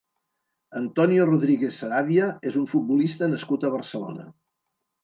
Antonio Rodríguez Saravia és un futbolista nascut a Barcelona.